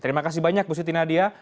terima kasih banyak bu siti nadia